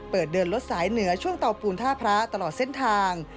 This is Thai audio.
เดินรถสายเหนือช่วงเตาปูนท่าพระตลอดเส้นทาง